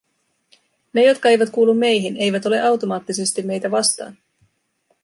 Ne, jotka eivät kuulu meihin, eivät ole automaattisesti meitä vastaan.